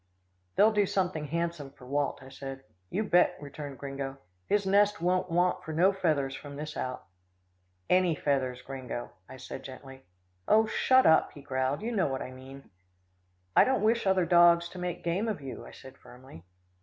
"They'll do something handsome for Walt," I said "You bet," returned Gringo. "His nest won't want for no feathers from this out." "Any feathers, Gringo," I said gently. "Oh, shut up," he growled. "You know what I mean." "I don't wish other dogs to make game of you," I said firmly.